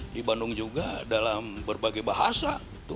di bandung juga dalam berbagai bahasa